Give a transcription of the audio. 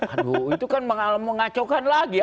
aduh itu kan mengacaukan lagi